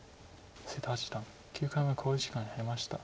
瀬戸八段９回目の考慮時間に入りました。